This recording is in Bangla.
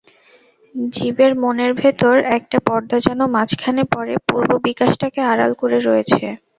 জীবের মনের ভেতর একটা পর্দা যেন মাঝখানে পড়ে পূর্ণ বিকাশটাকে আড়াল করে রয়েছে।